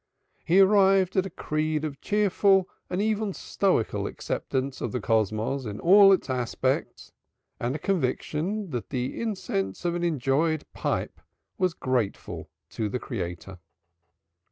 He arrived at a creed of cheerful and even stoical acceptance of the Cosmos in all its aspects and a conviction that the incense of an enjoyed pipe was grateful to the Creator.